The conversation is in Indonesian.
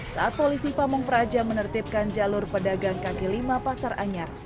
saat polisi pamung fraja menertibkan jalur pedagang kk v pasar anyar